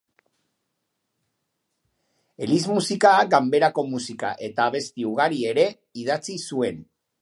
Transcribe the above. Eliz musika, ganberako musika eta abesti ugari ere idatzi zuen.